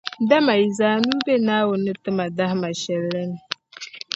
Dama yi zaa nuu be Naawuni ni ti ma dahima shɛli la ni.